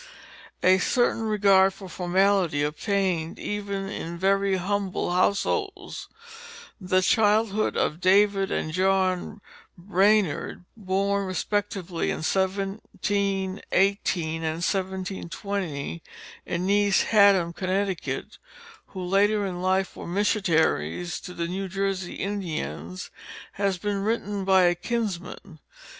A certain regard for formality obtained even in very humble households. The childhood of David and John Brainerd, born respectively in 1718 and 1720, in East Haddam, Connecticut, who later in life were missionaries to the New Jersey Indians, has been written by a kinsman.